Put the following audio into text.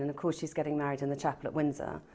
dan tentu saja dia berkahwin di chapel at windsor